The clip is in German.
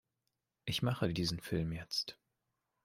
Ich mache diesen Film jetzt.